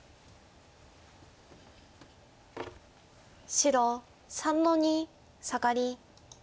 白３の二サガリ。